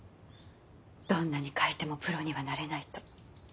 どんなに書いてもプロにはなれないと。